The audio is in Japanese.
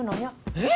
えっ？